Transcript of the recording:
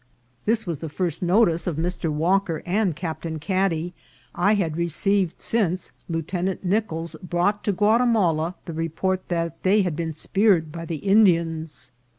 This was the first notice of Mr. Walker and Captain Caddy I had received since Lieutenant Nicols brought to Guatimala the report that they had been speared by the Indians.